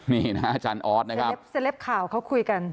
นี่นะอาจารย์ออสนะครับเซลปข่าวเขาคุยกัน